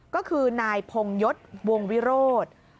ก็คือนายพงยศวงวิโรธ